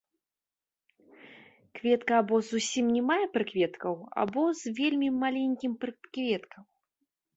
Кветка або зусім не мае прыкветкаў або з вельмі маленькім прыкветкаў.